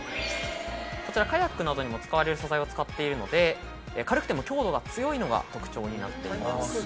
こちらカヤックなどにも使われる素材を使っているので軽くても強度が強いのが特徴になっています。